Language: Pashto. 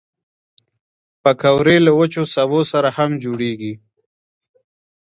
پکورې له وچو سبو سره هم جوړېږي